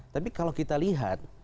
tapi kalau kita lihat